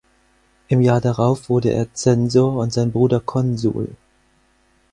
Im Jahr darauf wurde er Zensor und sein Bruder Konsul.